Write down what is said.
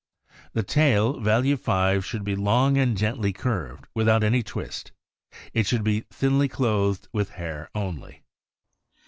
The tail (value 5) should be long and gently curved, without any twist. It should be thinly clothed with hair only.